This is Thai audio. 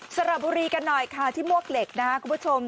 สระบุรีกันหน่อยค่ะที่มวกเหล็กนะครับคุณผู้ชม